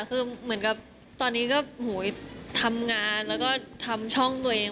คือเหมือนกับตอนนี้ก็ทำงานแล้วก็ทำช่องตัวเอง